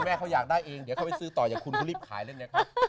แม่เขาอยากได้เองเดี๋ยวเขาไปซื้อต่ออย่างคุณเขารีบขายเล่นเล็กครับ